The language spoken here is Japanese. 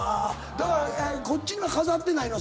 こっちには飾ってないの？